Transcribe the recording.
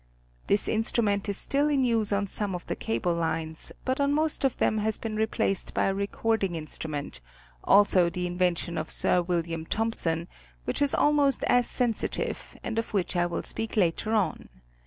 This instrument is still in use on some of the cable lines, but on most of them it has been replaced by a recording instru ment, also the invention of Sir Wm. Thompson, which is almost as sensitive, and of which I will speak later on.